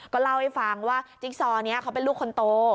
ก็เล่าให้ฟังว่าจิ๊กซอนี้เขาเป็นลูกคนโต